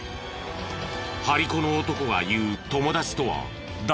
張り子の男が言う友達とは出し子。